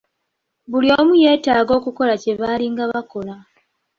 Buli omu yeetegeka okukola kye baalinga bakola.